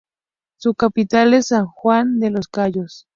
Su capital es San Juan de los Cayos.